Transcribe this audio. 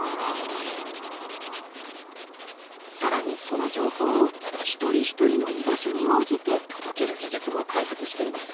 更にその情報を一人一人の居場所に応じて届ける技術も開発しています。